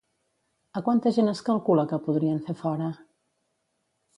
A quanta gent es calcula que podrien fer fora?